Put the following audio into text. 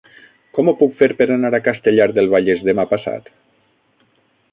Com ho puc fer per anar a Castellar del Vallès demà passat?